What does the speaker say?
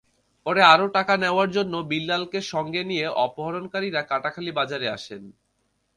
পরে আরও টাকা নেওয়ার জন্য বিল্লালকে সঙ্গে নিয়ে অপহরণকারীরা কাটাখালী বাজারে আসেন।